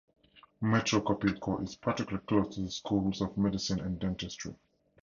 Metro Copilco is particularly close to the schools of medicine and dentistry.